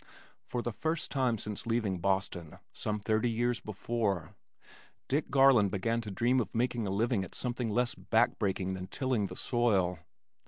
For the first time since leaving Boston, some thirty years before, Dick Garland began to dream of making a living at something less backbreaking than tilling the soil.